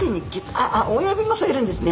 あっ親指もそえるんですね。